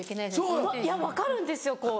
いや分かるんですよ